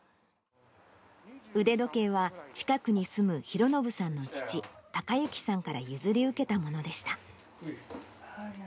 腕時計は近くに住むひろのぶさんの父、孝之さんから譲り受けたものでした。